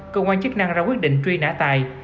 cơ quan chức năng ra quyết định truy nã tài